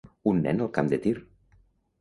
Un nen al camp de tir